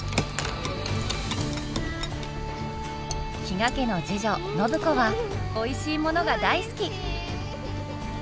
比嘉家の次女暢子はおいしいものが大好き！